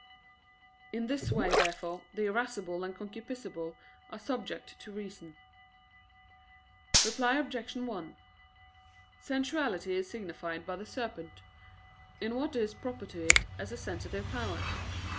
In this way, therefore, the irascible and concupiscible are subject to reason. Reply Obj. 1: Sensuality is signified by the serpent, in what is proper to it as a sensitive power.